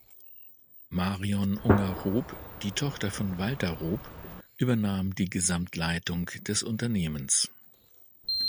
Marion Unger-Rob, die Tochter von Walter Rob, übernahm die Gesamtleitung des Unternehmens.